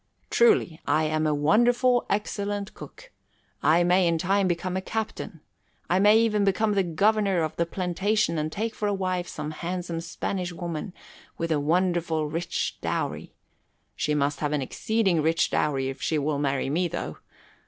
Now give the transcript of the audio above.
"Truly, I am a wonderful excellent cook. I may in time become a captain. I may even become the governor of a plantation and take for a wife some handsome Spanish woman with a wonderful rich dowry. She must have an exceeding rich dowry if she will marry me, though.